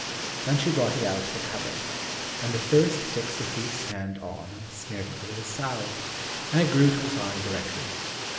Then she brought it out of the cupboard, and the first fixed the thief's hand on and smeared it with his salve, and it grew to his arm directly.